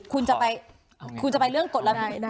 คุณจะไปคุณจะไปเรื่องกฎระเบียบ